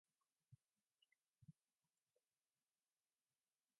The ballet company's descendants today are the Royal Ballet and the Birmingham Royal Ballet.